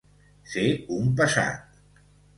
Ser un pesat.